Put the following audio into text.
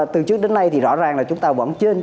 từ trước đến nay thì rõ ràng là chúng ta vẫn trên